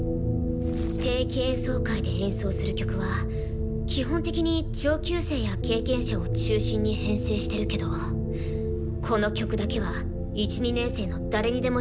定期演奏会で演奏する曲は基本的に上級生や経験者を中心に編成してるけどこの曲だけは１２年生の誰にでもチャンスがあるのよね。